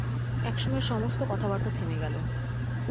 একসময় সমস্ত কথাবার্তা থেমে গেল।